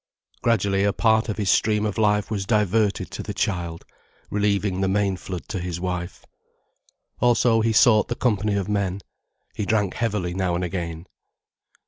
Gradually a part of his stream of life was diverted to the child, relieving the main flood to his wife. Also he sought the company of men, he drank heavily now and again.